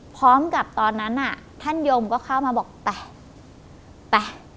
พร้อมกับตอนนั้นท่านยมก็เข้ามาบอกแปะแปะ